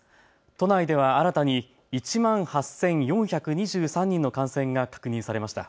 都内では新たに１万８４２３人の感染が確認されました。